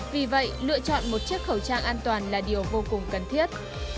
vì vậy lựa chọn một chiếc khẩu trang an toàn là điều vô cùng cần thiết